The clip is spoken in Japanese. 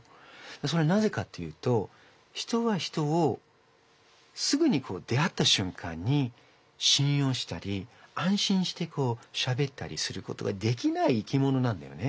それはなぜかっていうと人は人をすぐに出会ったしゅんかんにしん用したりあん心してしゃべったりすることはできない生きものなんだよね。